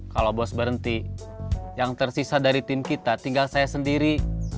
kalau bos berhenti yang tersisa dari tim kita tinggal saya sendiri